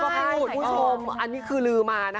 พูดคงลือมา